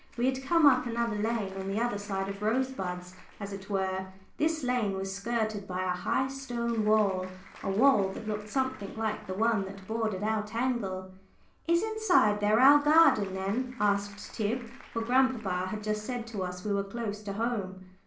We had come up another lane, on the other side of Rosebuds, as it were; this lane was skirted by a high stone wall, a wall that looked something like the one that bordered our "tangle." "Is inside there our garden, then?" asked Tib, for grandpapa had just said to us we were close to home.